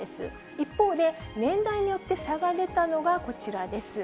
一方で、年代によって差が出たのがこちらです。